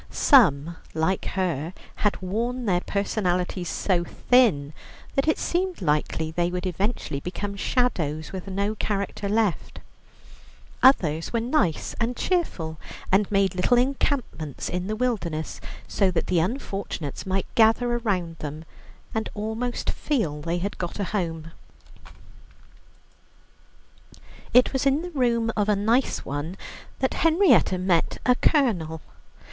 Some, like her, had worn their personalities so thin that it seemed likely they would eventually become shadows with no character left; others were nice and cheerful, and made little encampments in the wilderness, so that the unfortunates might gather round them, and almost feel they had got a home. It was in the room of a nice one that Henrietta met a Colonel.